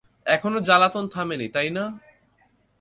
এখনো জ্বালাতন থামেনি, তাই না?